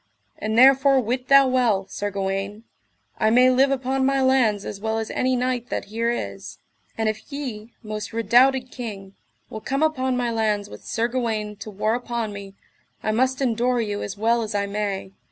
And therefore wit thou well, Sir Gawaine, I may live upon my lands as well as any knight that here is. And if ye, most redoubted king, will come upon my lands with Sir Gawaine to war upon me, I must endure you as well as I may.